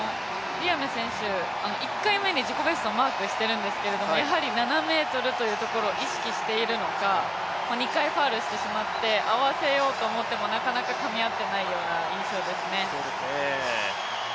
ディアメ選手、１回目に自己ベストをマークしてるんですけどやはり７ｍというところを意識しているのか２回ファウルしてしまって、合わせようと思っても、なかなかかみ合っていないような印象ですね。